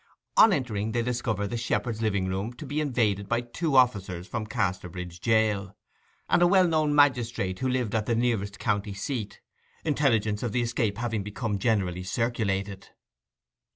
On entering they discovered the shepherd's living room to be invaded by two officers from Casterbridge jail, and a well known magistrate who lived at the nearest country seat, intelligence of the escape having become generally circulated.